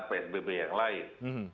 psbb yang lain